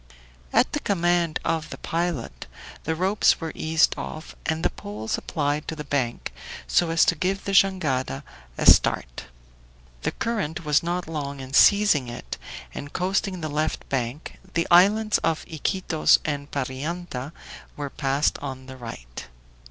At the command of the pilot the ropes were eased off, and the poles applied to the bank so as to give the jangada a start. The current was not long in seizing it, and coasting the left bank, the islands of Iquitos and Parianta were passed on the right.